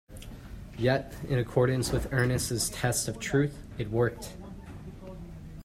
Yet, in accordance with Ernest's test of truth, it worked.